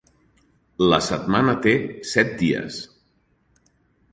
La setmana té set dies.